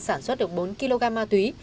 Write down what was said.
sản xuất được bốn kg ma túy